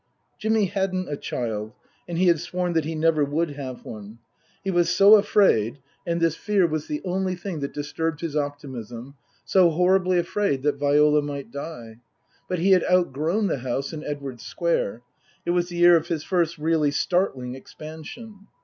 Jimmy hadn't a child, and he had sworn that he never would have one ; he was so afraid (and this fear was the Book II : Her Book 187 only thing that disturbed his optimism), so horribly afraid that Viola might die. But he had outgrown the house in Edwardes Square. It was the year of his first really startling expansion.